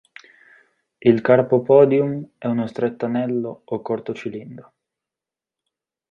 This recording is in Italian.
Il carpopodium è uno stretto anello o corto cilindro.